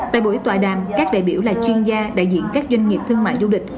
tại buổi tòa đàm các đại biểu là chuyên gia đại diện các doanh nghiệp thương mại du lịch